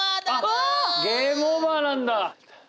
あっゲームオーバーなんだ。